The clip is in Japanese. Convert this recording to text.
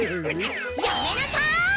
やめなさい！